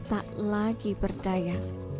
tak lagi berdaya